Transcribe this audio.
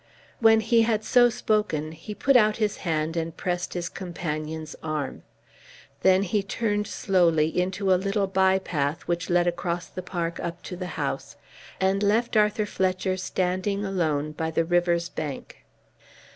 When he had so spoken he put out his hand and pressed his companion's arm. Then he turned slowly into a little by path which led across the park up to the house, and left Arthur Fletcher standing alone by the river's bank.